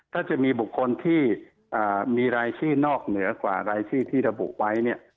ถ้าจะมีบุคคลที่มีรายชื่อนอกเหนือกว่ารายชื่อที่ระบุไว้เนี่ย